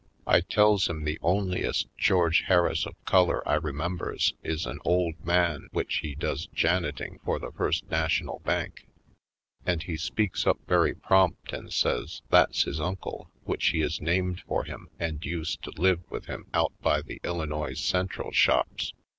I tells him the onlyest George H^arris of color I remembers is an old man which he does janiting for the First National Bank. And he speaks up very prompt and says that's his uncle which he is named for him and used to live with him out by the Illinois Central shops.